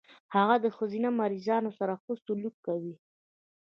هغه د ښځينه مريضانو سره ښه سلوک کوي.